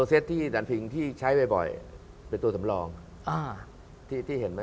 ซึ่งผมไม่รู้ว่าเขาก็มั้นใจ